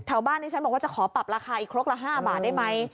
บ้านนี้ฉันบอกว่าจะขอปรับราคาอีกครกละ๕บาทได้ไหม